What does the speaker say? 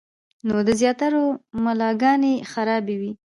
نو د زياترو ملاګانې خرابې وي -